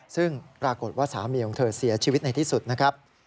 ซึ่งปรากฏว่าสามีของเธอเสียชีวิตในที่สุดนะครับ